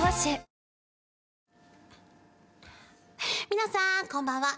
皆さんこんばんは。